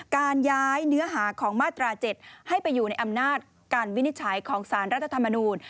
การย้ายเนื้อหาของมาตรา๗ให้ไปอยู่ในอำนาจการวินิจฉัยของสารรัฐธรรมนูญ